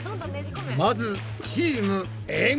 まずチームエん。